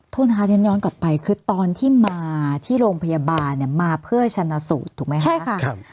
โทษนะคะเรียนย้อนกลับไปคือตอนที่มาที่โรงพยาบาลมาเพื่อชนะสูตรถูกไหมคะ